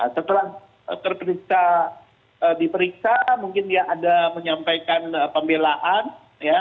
setelah terperiksa diperiksa mungkin dia ada menyampaikan pembelaan ya